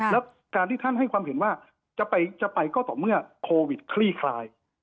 แล้วการที่ท่านให้ความเห็นว่าจะไปก็ต่อเมื่อโควิดคลี่คลาย